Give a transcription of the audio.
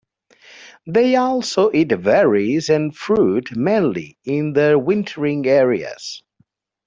They also eat berries and fruit, mainly in their wintering areas.